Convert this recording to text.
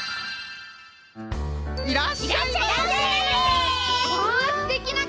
いらっしゃいませ！